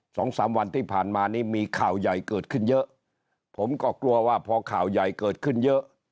สองสามวันที่ผ่านมานี้มีข่าวใหญ่เกิดขึ้นเยอะผมก็กลัวว่าพอข่าวใหญ่เกิดขึ้นเยอะ